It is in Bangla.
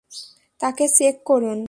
তাকে চেক করুন।